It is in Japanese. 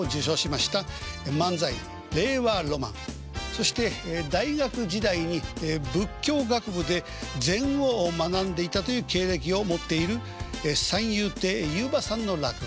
そして大学時代に仏教学部で禅を学んでいたという経歴を持っている三遊亭遊馬さんの落語。